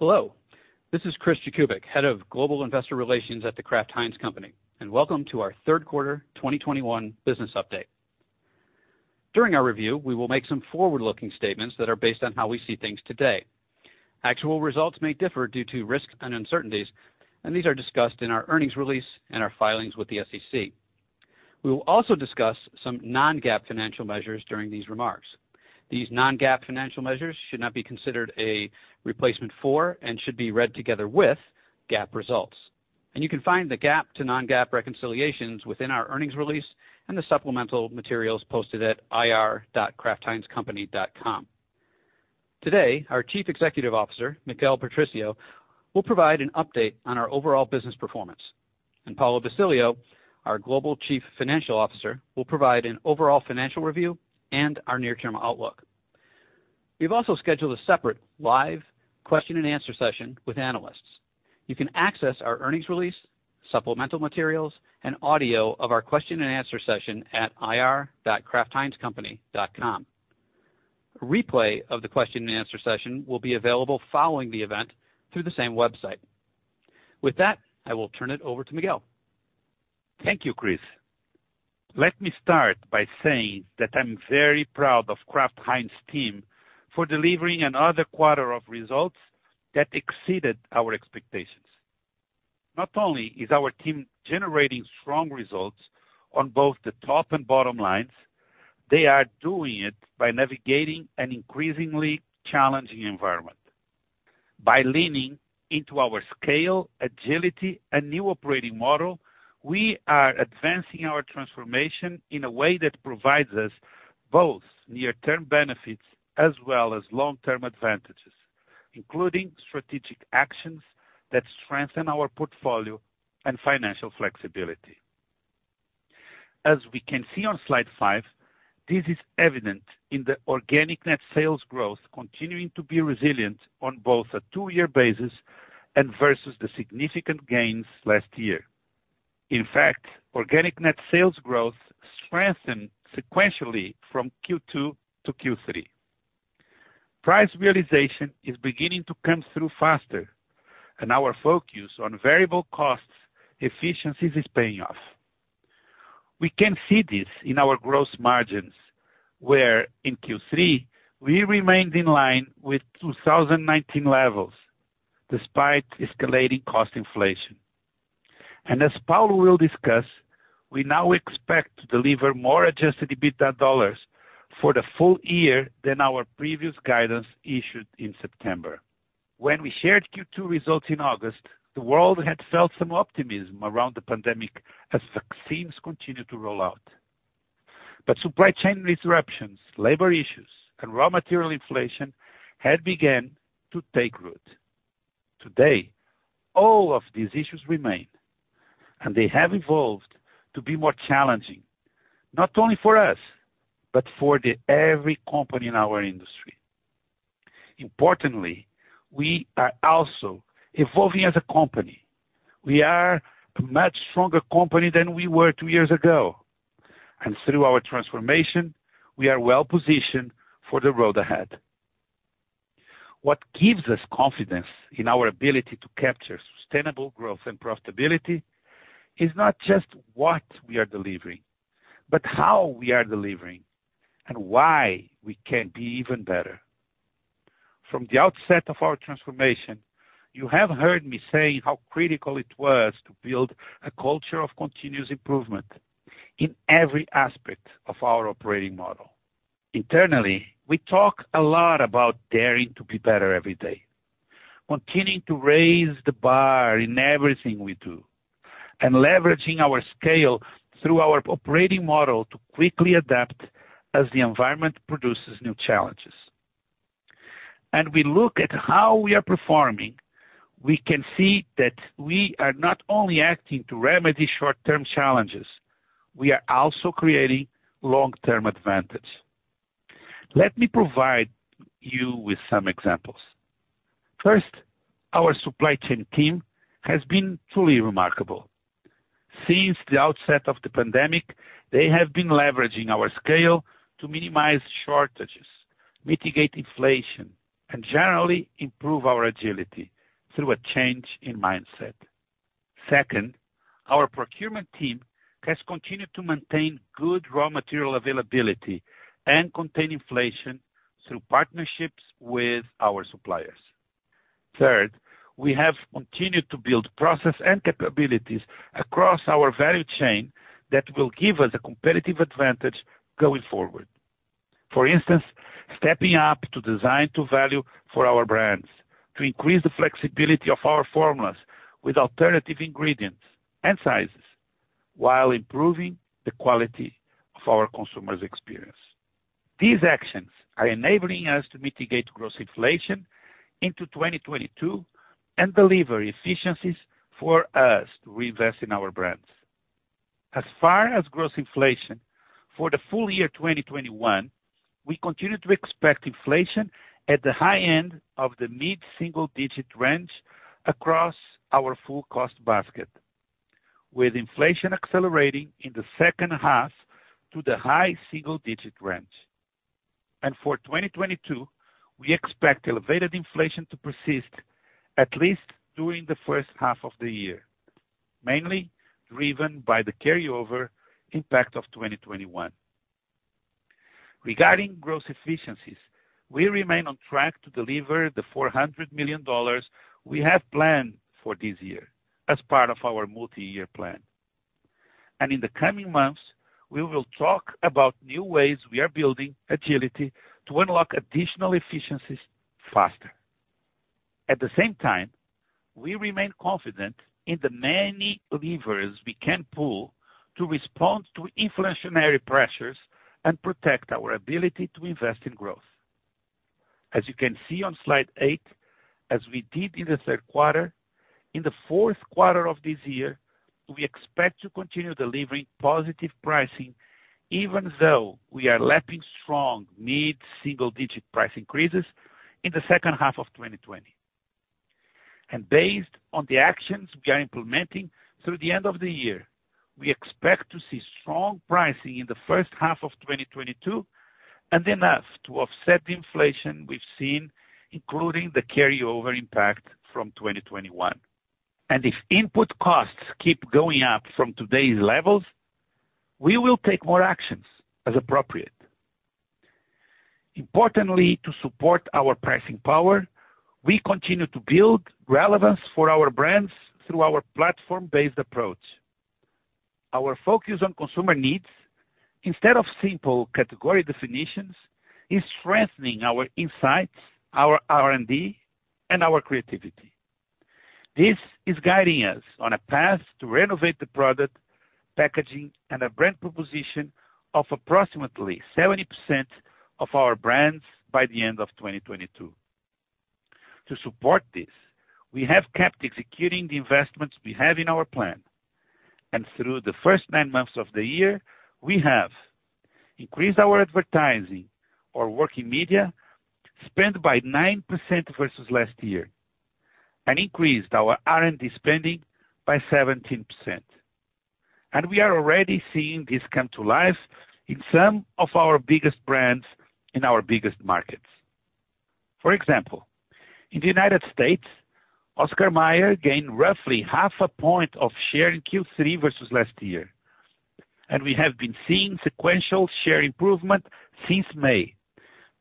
Hello, this is Chris Jakubik, Head of Global Investor Relations at The Kraft Heinz Company, and welcome to our Q3 2021 business update. During our review, we will make some forward-looking statements that are based on how we see things today. Actual results may differ due to risks and uncertainties, and these are discussed in our earnings release and our filings with the SEC. We will also discuss some non-GAAP financial measures during these remarks. These non-GAAP financial measures should not be considered a replacement for and should be read together with GAAP results. You can find the GAAP to non-GAAP reconciliations within our earnings release and the supplemental materials posted at ir.kraftheinzcompany.com. Today, our Chief Executive Officer, Miguel Patricio, will provide an update on our overall business performance. Paulo Basilio, our Global Chief Financial Officer, will provide an overall financial review and our near-term outlook. We've also scheduled a separate live Q&A session with analysts. You can access our earnings release, supplemental materials, and audio of our Q&A session at ir.kraftheinzcompany.com. A replay of the Q&A session will be available following the event through the same website. With that, I will turn it over to Miguel. Thank you, Chris. Let me start by saying that I'm very proud of Kraft Heinz team for delivering another quarter of results that exceeded our expectations. Not only is our team generating strong results on both the top and bottom lines, they are doing it by navigating an increasingly challenging environment. By leaning into our scale, agility, and new operating model, we are advancing our transformation in a way that provides us both near-term benefits as well as long-term advantages, including strategic actions that strengthen our portfolio and financial flexibility. As we can see on slide five, this is evident in the organic net sales growth continuing to be resilient on both a two-year basis and versus the significant gains last year. In fact, organic net sales growth strengthened sequentially from Q2 to Q3. Price realization is beginning to come through faster, and our focus on variable costs efficiencies is paying off. We can see this in our gross margins, where in Q3 we remained in line with 2019 levels despite escalating cost inflation. As Paulo will discuss, we now expect to deliver more adjusted EBITDA dollars for the full year than our previous guidance issued in September. When we shared Q2 results in August, the world had felt some optimism around the pandemic as vaccines continued to roll out. Supply chain disruptions, labor issues, and raw material inflation had began to take root. Today, all of these issues remain, and they have evolved to be more challenging, not only for us, but for every company in our industry. Importantly, we are also evolving as a company. We are a much stronger company than we were two years ago. Through our transformation, we are well positioned for the road ahead. What gives us confidence in our ability to capture sustainable growth and profitability is not just what we are delivering, but how we are delivering and why we can be even better. From the outset of our transformation, you have heard me say how critical it was to build a culture of continuous improvement in every aspect of our operating model. Internally, we talk a lot about daring to be better every day, continuing to raise the bar in everything we do, and leveraging our scale through our operating model to quickly adapt as the environment produces new challenges. We look at how we are performing. We can see that we are not only acting to remedy short-term challenges, we are also creating long-term advantage. Let me provide you with some examples. First, our supply chain team has been truly remarkable. Since the outset of the pandemic, they have been leveraging our scale to minimize shortages, mitigate inflation, and generally improve our agility through a change in mindset. Second, our procurement team has continued to maintain good raw material availability and contain inflation through partnerships with our suppliers. Third, we have continued to build process and capabilities across our value chain that will give us a competitive advantage going forward. For instance, stepping up to design to value for our brands, to increase the flexibility of our formulas with alternative ingredients and sizes, while improving the quality of our consumer's experience. These actions are enabling us to mitigate gross inflation into 2022 and deliver efficiencies for us to reinvest in our brands. As far as gross inflation, for the full year 2021, we continue to expect inflation at the high end of the mid-single-digit range across our full cost basket, with inflation accelerating in the second half to the high-single-digit range. For 2022, we expect elevated inflation to persist at least during the first half of the year, mainly driven by the carryover impact of 2021. Regarding gross efficiencies, we remain on track to deliver the $400 million we have planned for this year as part of our multi-year plan. In the coming months, we will talk about new ways we are building agility to unlock additional efficiencies faster. At the same time, we remain confident in the many levers we can pull to respond to inflationary pressures and protect our ability to invest in growth. As you can see on slide 8, as we did in the Q3, in the Q4 of this year, we expect to continue delivering positive pricing even though we are lapping strong mid-single digit price increases in the second half of 2020. Based on the actions we are implementing through the end of the year, we expect to see strong pricing in the first half of 2022, and enough to offset the inflation we've seen, including the carryover impact from 2021. If input costs keep going up from today's levels, we will take more actions as appropriate. Importantly, to support our pricing power, we continue to build relevance for our brands through our platform-based approach. Our focus on consumer needs instead of simple category definitions is strengthening our insights, our R&D, and our creativity. This is guiding us on a path to renovate the product, packaging, and a brand proposition of approximately 70% of our brands by the end of 2022. To support this, we have kept executing the investments we have in our plan. Through the first nine months of the year, we have increased our advertising or working media spend by 9% versus last year, and increased our R&D spending by 17%. We are already seeing this come to life in some of our biggest brands in our biggest markets. For example, in the United States, Oscar Mayer gained roughly half a point of share in Q3 versus last year. We have been seeing sequential share improvement since May,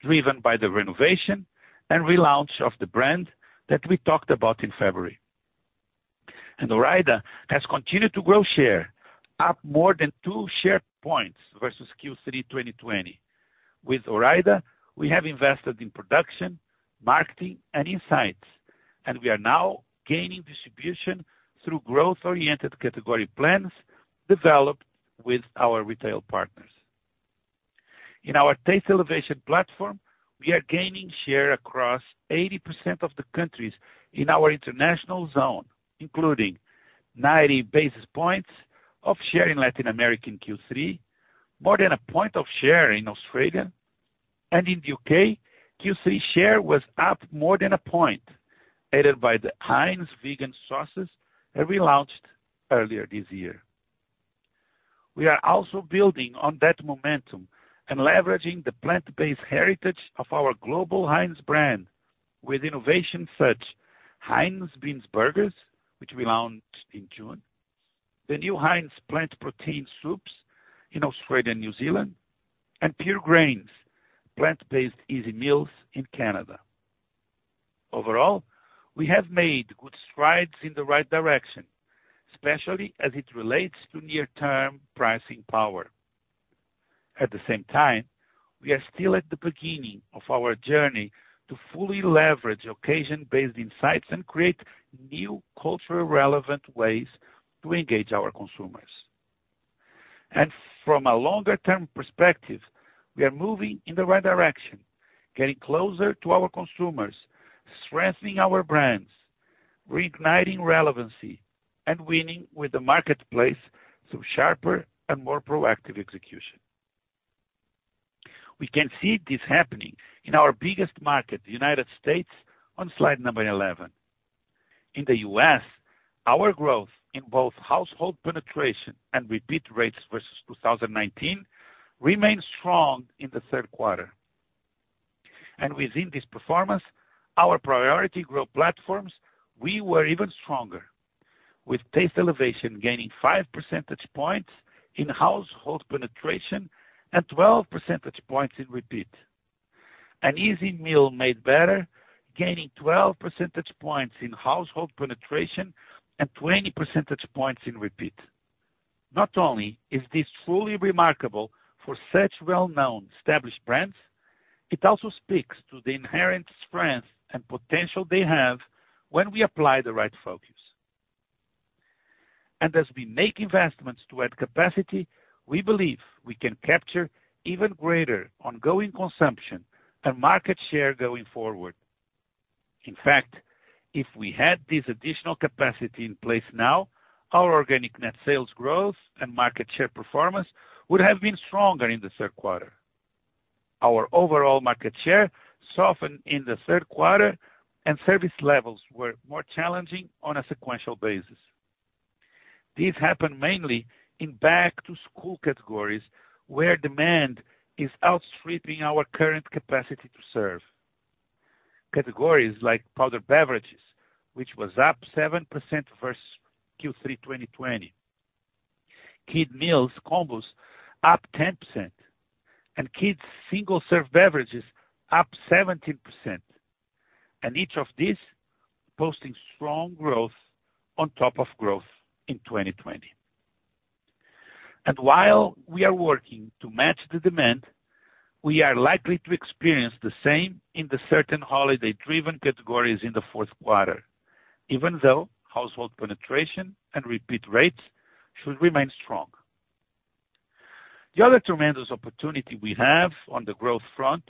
driven by the renovation and relaunch of the brand that we talked about in February. Ore-Ida has continued to grow share up more than two share points versus Q3 2020. With Ore-Ida, we have invested in production, marketing and insights, and we are now gaining distribution through growth-oriented category plans developed with our retail partners. In our taste elevation platform, we are gaining share across 80% of the countries in our international zone, including 90 basis points of share in Latin America in Q3, more than a point of share in Australia. In the U.K., Q3 share was up more than a point, aided by the Heinz vegan sauces that we launched earlier this year. We are also building on that momentum and leveraging the plant-based heritage of our global Heinz brand with innovations such as Heinz Beanz Burgerz, which we launched in June, the new Heinz plant protein soups in Australia and New Zealand, and Primal Kitchen plant-based easy meals in Canada. Overall, we have made good strides in the right direction, especially as it relates to near-term pricing power. At the same time, we are still at the beginning of our journey to fully leverage occasion-based insights and create new culturally relevant ways to engage our consumers. From a longer-term perspective, we are moving in the right direction, getting closer to our consumers, strengthening our brands, reigniting relevancy, and winning in the marketplace through sharper and more proactive execution. We can see this happening in our biggest market, the United States, on slide 11. In the U.S., our growth in both household penetration and repeat rates versus 2019 remains strong in the Q3. Within this performance, our priority growth platforms, we were even stronger. With taste elevation gaining 5 percentage points in household penetration and 12 percentage points in repeat. An easy meal made better, gaining 12 percentage points in household penetration and 20 percentage points in repeat. Not only is this truly remarkable for such well-known established brands, it also speaks to the inherent strength and potential they have when we apply the right focus. As we make investments to add capacity, we believe we can capture even greater ongoing consumption and market share going forward. In fact, if we had this additional capacity in place now, our organic net sales growth and market share performance would have been stronger in the Q3. our overall market share softened in the Q3 and service levels were more challenging on a sequential basis. This happened mainly in back-to-school categories where demand is outstripping our current capacity to serve. Categories like powdered beverages, which was up 7% versus Q3 2020. Kid meals combos up 10% and kids single-serve beverages up 17%, and each of these posting strong growth on top of growth in 2020. While we are working to match the demand, we are likely to experience the same in the certain holiday-driven categories in the Q4, even though household penetration and repeat rates should remain strong. The other tremendous opportunity we have on the growth front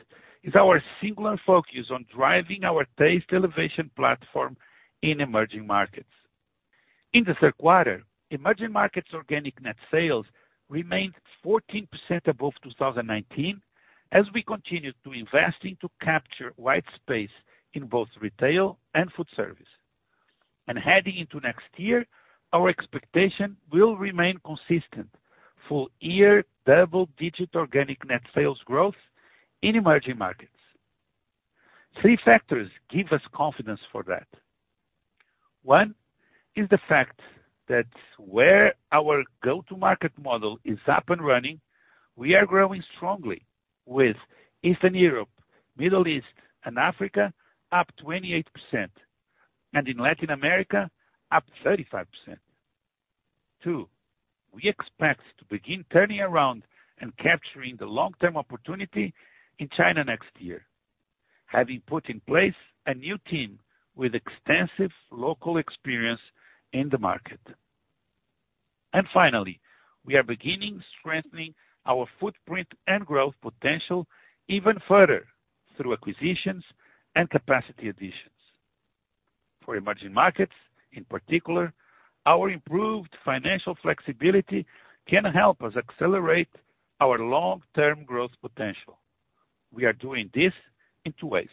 is our singular focus on driving our taste elevation platform in emerging markets. In the Q3, emerging markets organic net sales remained 14% above 2019 as we continued to invest in to capture white space in both retail and food service. Heading into next year, our expectation will remain consistent full-year double-digit organic net sales growth in emerging markets. Three factors give us confidence for that. One is the fact that where our go-to-market model is up and running, we are growing strongly with Eastern Europe, Middle East, and Africa up 28% and in Latin America up 35%. Two, we expect to begin turning around and capturing the long-term opportunity in China next year, having put in place a new team with extensive local experience in the market. Finally, we are beginning strengthening our footprint and growth potential even further through acquisitions and capacity additions. For emerging markets, in particular, our improved financial flexibility can help us accelerate our long-term growth potential. We are doing this in two ways.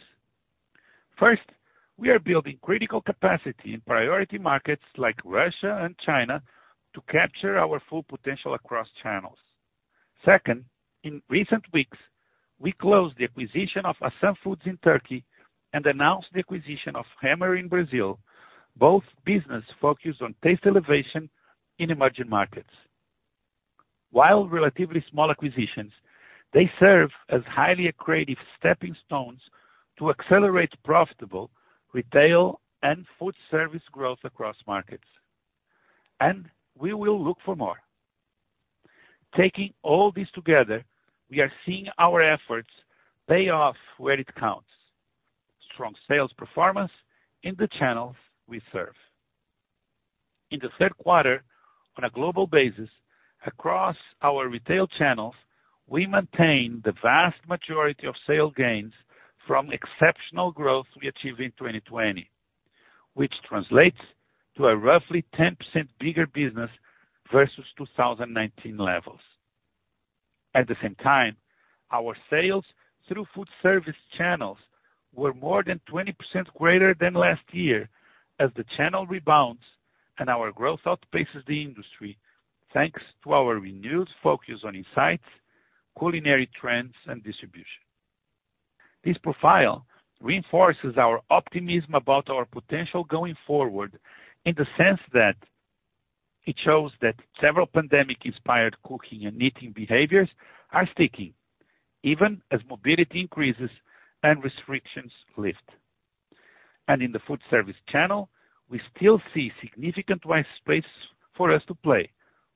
First, we are building critical capacity in priority markets like Russia and China to capture our full potential across channels. Second, in recent weeks, we closed the acquisition of Assan Foods in Turkey and announced the acquisition of Hemmer in Brazil, both business focused on taste elevation in emerging markets. While relatively small acquisitions, they serve as highly accretive stepping stones to accelerate profitable retail and food service growth across markets. We will look for more. Taking all this together, we are seeing our efforts pay off where it counts, strong sales performance in the channels we serve. In the Q3, on a global basis, across our retail channels, we maintained the vast majority of sale gains from exceptional growth we achieved in 2020, which translates to a roughly 10% bigger business versus 2019 levels. At the same time, our sales through food service channels were more than 20% greater than last year as the channel rebounds and our growth outpaces the industry, thanks to our renewed focus on insights, culinary trends, and distribution. This profile reinforces our optimism about our potential going forward in the sense that it shows that several pandemic-inspired cooking and eating behaviors are sticking even as mobility increases and restrictions lift. In the food service channel, we still see significant white space for us to play,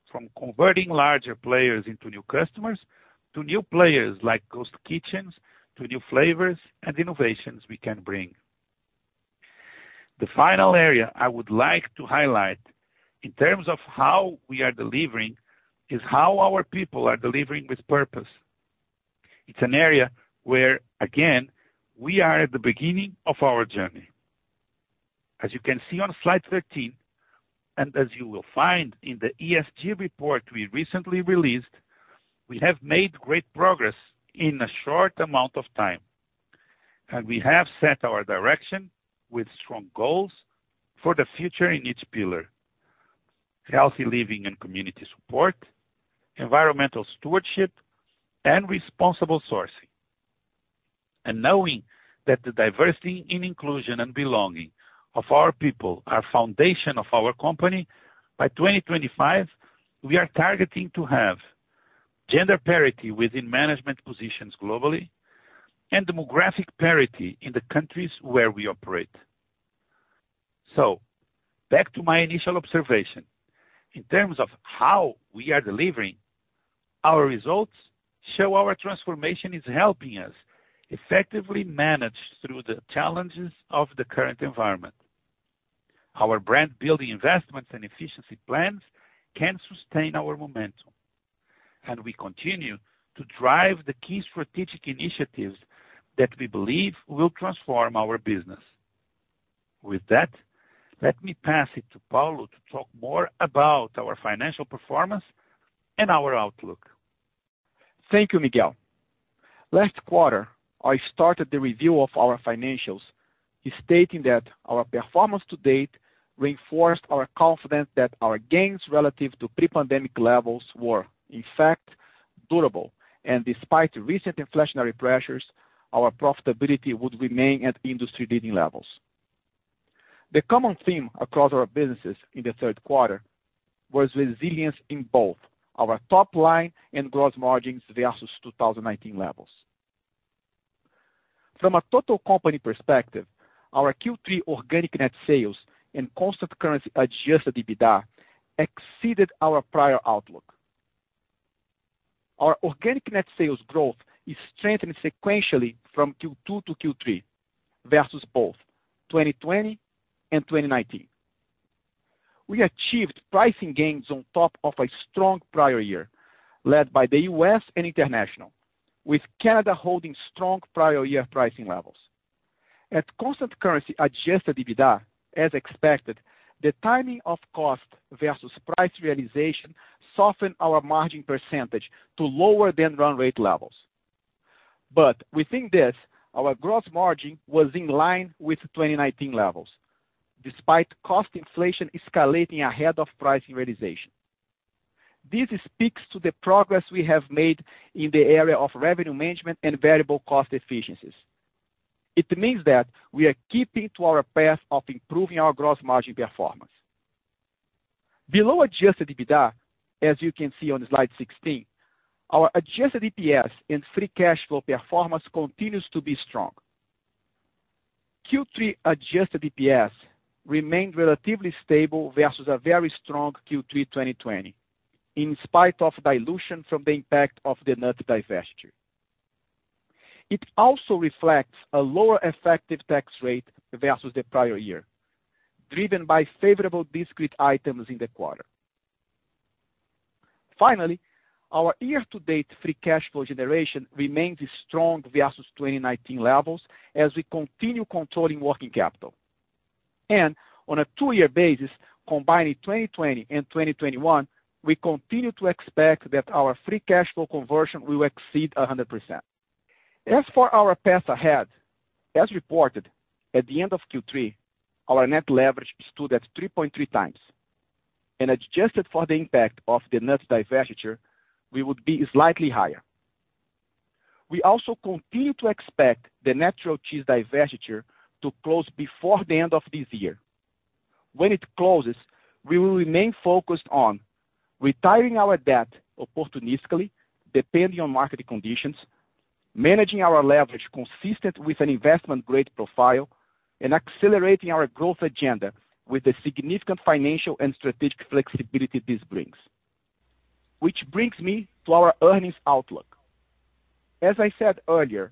from converting larger players into new customers, to new players like Ghost Kitchens, to new flavors and innovations we can bring. The final area I would like to highlight in terms of how we are delivering is how our people are delivering with purpose. It's an area where, again, we are at the beginning of our journey. As you can see on slide 13, and as you will find in the ESG report we recently released, we have made great progress in a short amount of time. We have set our direction with strong goals for the future in each pillar. Healthy living and community support, environmental stewardship, and responsible sourcing. Knowing that the diversity and inclusion and belonging of our people are foundation of our company, by 2025, we are targeting to have gender parity within management positions globally and demographic parity in the countries where we operate. Back to my initial observation. In terms of how we are delivering our results show our transformation is helping us effectively manage through the challenges of the current environment. Our brand-building investments and efficiency plans can sustain our momentum, and we continue to drive the key strategic initiatives that we believe will transform our business. With that, let me pass it to Paulo to talk more about our financial performance and our outlook. Thank you, Miguel. Last quarter, I started the review of our financials stating that our performance to date reinforced our confidence that our gains relative to pre-pandemic levels were in fact durable. Despite recent inflationary pressures, our profitability would remain at industry leading levels. The common theme across our businesses in the Q3 was resilience in both our top line and gross margins versus 2019 levels. From a total company perspective, our Q3 organic net sales and constant currency adjusted EBITDA exceeded our prior outlook. Our organic net sales growth is strengthening sequentially from Q2 to Q3 versus both 2020 and 2019. We achieved pricing gains on top of a strong prior year led by the U.S. and International, with Canada holding strong prior year pricing levels. At constant currency adjusted EBITDA as expected, the timing of cost versus price realization softened our margin percentage to lower than run rate levels. Within this, our gross margin was in line with 2019 levels, despite cost inflation escalating ahead of price realization. This speaks to the progress we have made in the area of revenue management and variable cost efficiencies. It means that we are keeping to our path of improving our gross margin performance. Below adjusted EBITDA, as you can see on slide 16, our adjusted EPS and free cash flow performance continues to be strong. Q3 adjusted EPS remained relatively stable versus a very strong Q3 2020, in spite of dilution from the impact of the nut divestiture. It also reflects a lower effective tax rate versus the prior year, driven by favorable discrete items in the quarter. Finally, our year to date free cash flow generation remains strong versus 2019 levels as we continue controlling working capital. On a two-year basis, combining 2020 and 2021, we continue to expect that our free cash flow conversion will exceed 100%. As for our path ahead, as reported at the end of Q3, our net leverage stood at 3.3x. Adjusted for the impact of the nuts divestiture, we would be slightly higher. We also continue to expect the natural cheese divestiture to close before the end of this year. When it closes, we will remain focused on retiring our debt opportunistically, depending on market conditions, managing our leverage consistent with an investment grade profile, and accelerating our growth agenda with the significant financial and strategic flexibility this brings. Which brings me to our earnings outlook. As I said earlier,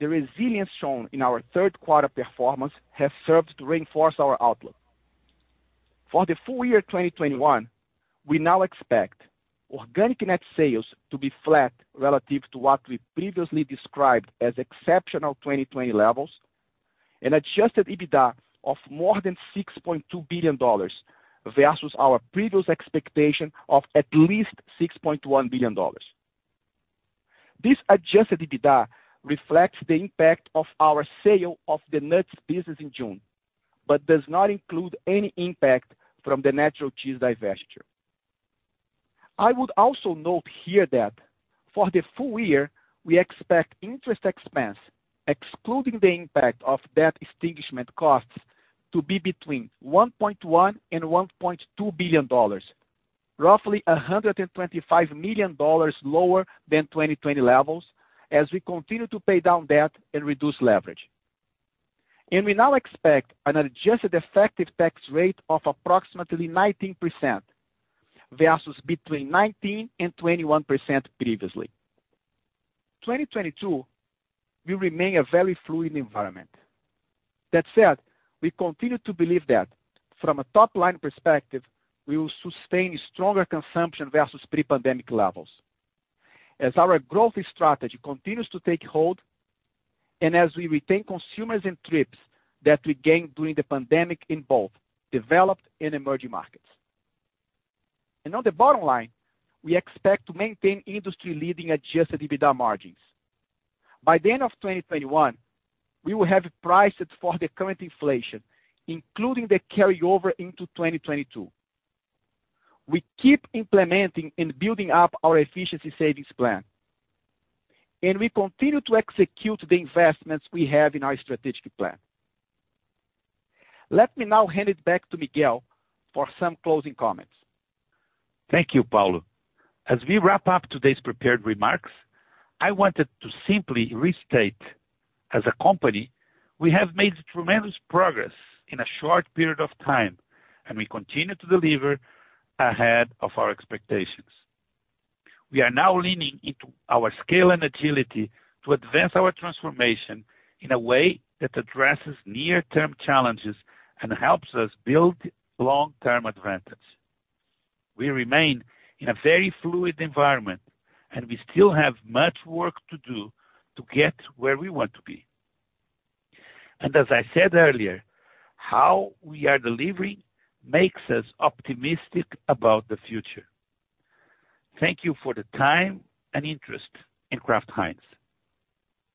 the resilience shown in our Q3 performance has served to reinforce our outlook. For the full year 2021, we now expect organic net sales to be flat relative to what we previously described as exceptional 2020 levels, and adjusted EBITDA of more than $6.2 billion versus our previous expectation of at least $6.1 billion. This adjusted EBITDA reflects the impact of our sale of the nuts business in June, but does not include any impact from the natural cheese divestiture. I would also note here that for the full year, we expect interest expense, excluding the impact of debt extinguishment costs, to be between $1.1 billion and $1.2 billion, roughly $125 million lower than 2020 levels as we continue to pay down debt and reduce leverage. We now expect an adjusted effective tax rate of approximately 19% versus between 19% and 21% previously. 2022 will remain a very fluid environment. That said, we continue to believe that from a top line perspective, we will sustain stronger consumption versus pre-pandemic levels as our growth strategy continues to take hold and as we retain consumers and trips that we gained during the pandemic in both developed and emerging markets. On the bottom line, we expect to maintain industry-leading adjusted EBITDA margins. By the end of 2021, we will have priced for the current inflation, including the carryover into 2022. We keep implementing and building up our efficiency savings plan, and we continue to execute the investments we have in our strategic plan. Let me now hand it back to Miguel for some closing comments. Thank you, Paulo. As we wrap up today's prepared remarks, I wanted to simply restate, as a company, we have made tremendous progress in a short period of time, and we continue to deliver ahead of our expectations. We are now leaning into our scale and agility to advance our transformation in a way that addresses near-term challenges and helps us build long-term advantage. We remain in a very fluid environment, and we still have much work to do to get where we want to be. As I said earlier, how we are delivering makes us optimistic about the future. Thank you for the time and interest in Kraft Heinz.